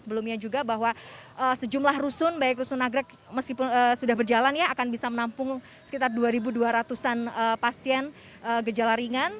sebelumnya juga bahwa sejumlah rusun baik rusun nagrek meskipun sudah berjalan ya akan bisa menampung sekitar dua dua ratus an pasien gejala ringan